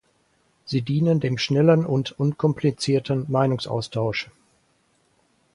Sie dienen dem schnellen und unkomplizierten Meinungsaustausch.